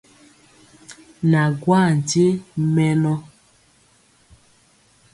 Na gwaa nkye mɛnɔ.